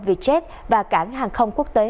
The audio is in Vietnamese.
vietjet và cảng hàng không quốc tế